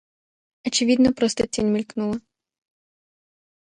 Очевидно, просто тень мелькнула.